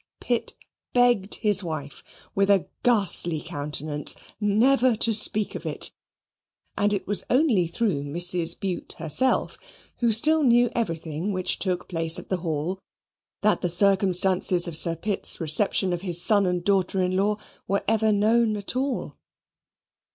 Pitt begged his wife, with a ghastly countenance, never to speak of it, and it was only through Mrs. Bute herself, who still knew everything which took place at the Hall, that the circumstances of Sir Pitt's reception of his son and daughter in law were ever known at all.